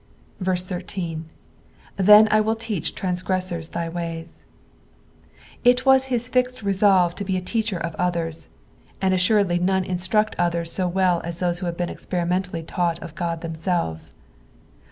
18. " T^en Kill I teach trantgre»*OT» thy tenyt." It was his fixed resolve to be a teacher of others ; and assuredly none instrust others so well as those who have been experimentally taught of God themselves.